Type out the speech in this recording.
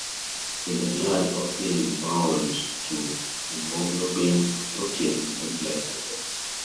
In the blood, oxygen is bound to hemoglobin, a protein in red blood cells.